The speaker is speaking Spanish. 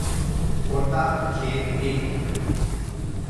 J. Gr.